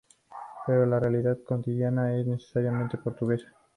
Pero la realidad cotidiana es necesariamente portuguesa.